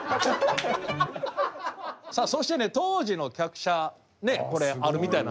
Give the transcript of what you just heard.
さあそしてね当時の客車これあるみたいなんですけども。